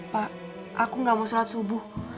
pak aku gak mau shalat subuh